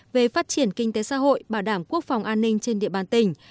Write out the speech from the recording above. về phát triển kinh tế xã hội bảo đảm quốc phòng an ninh trên địa bàn tỉnh